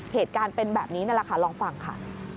เหตุการณ์เป็นแบบนี้นั่นแหละค่ะลองฟังค่ะ